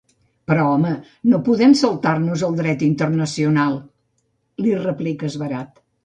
Però home, no podem saltar-nos el dret internacional —li replica esverat.